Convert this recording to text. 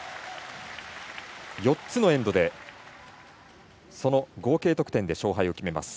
４つのエンド、その合計得点で勝敗を決めます。